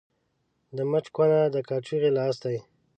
د مچ کونه ، د کاچوغي لاستى.